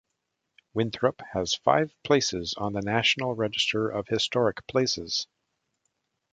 Winthrop has five places on the National Register of Historic Places.